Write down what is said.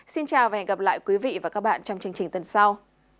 xin chào và hẹn gặp lại quý vị và các bạn trong chương trình tuần sau